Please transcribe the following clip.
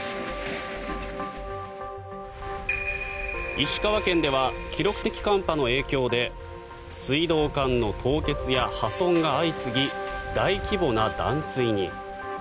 石川県では記録的寒波の影響で水道管の凍結や破損が相次ぎ大規模な断水に。